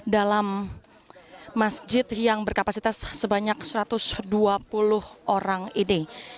dalam masjid yang berkapasitas sebanyak satu ratus dua puluh orang ini